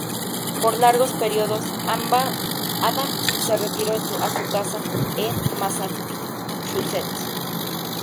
Por largos períodos, Adams se retiró a su casa en Massachusetts.